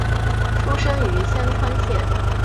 出身于香川县。